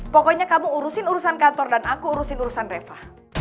pokoknya kamu urusin urusan kantor dan aku urusin urusan reva